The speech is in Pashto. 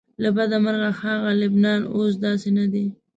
له بده مرغه هغه لبنان اوس داسې نه دی.